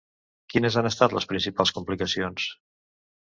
Quines han estat les principals complicacions?